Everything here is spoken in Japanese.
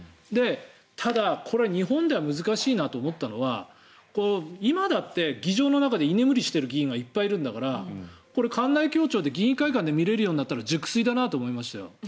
ただ、これは日本では難しいなと思ったのは今だって議場の中で居眠りしている議員がいっぱいいるんだからこれは館内共聴で議員会館で聞けるようになったら熟睡だなと思いましたよ。